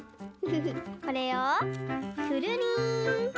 これをくるりん。